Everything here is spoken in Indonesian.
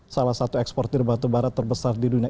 salah satu eksportir batubara terbesar di dunia